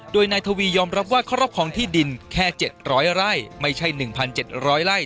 โดยนายทวียอมรับว่าครอบครองที่ดินแค่๗๐๐ไร่ไม่ใช่๑๗๐๐ไร่